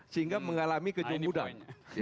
sehingga mengalami kejemudan